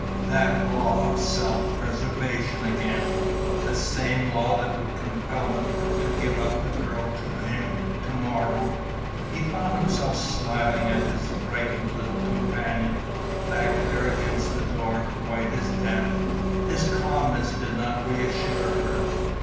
That law of self preservation again the same law that would compel them to give up the girl to him to morrow. He found himself smiling at his frightened little companion, backed there against the door, white as death. His calmness did not reassure her.